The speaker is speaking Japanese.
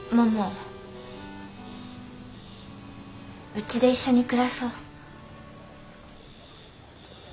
うちで一緒に暮らそう。